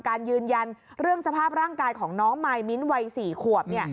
การยืนยันเรื่องสภาพร่างกายของน้องมายมิ้นท์วัย๔ขวบ